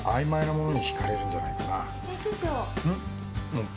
うん？